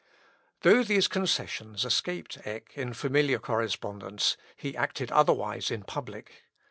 Though these concessions escaped Eck in familiar correspondence, he acted otherwise in public.